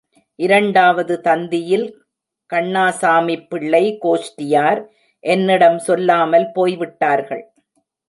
இரண்டாவது தந்தியில், கண்ணாசாமிப்பிள்ளை கோஷ்டியார் என்னிடம் சொல்லாமல் போய் விட்டார்கள்.